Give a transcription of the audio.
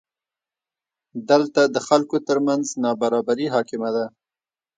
دلته د خلکو ترمنځ نابرابري حاکمه ده.